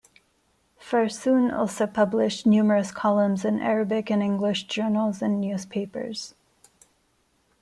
Farsoun also published numerous columns in Arabic and English journals and newspapers.